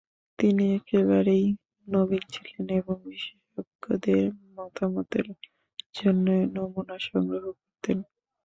তিনি একেবারেই নবীন ছিলেন এবং বিশেষজ্ঞদের মতামতের জন্যে নমুনা সংগ্রহ করতেন।